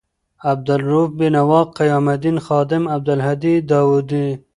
عبدا لروؤف بینوا، قیام الدین خادم، عبدالهادي داوي